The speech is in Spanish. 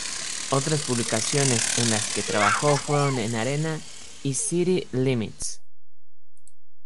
Otras publicaciones en las que trabajó fueron Arena y City Limits.